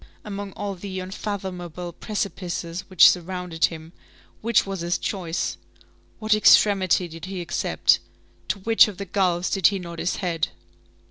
Among all the unfathomable precipices which surrounded him, which was his choice? What extremity did he accept? To which of the gulfs did he nod his head?